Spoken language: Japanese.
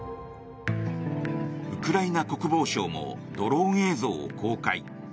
ウクライナ国防省もドローン映像を公開。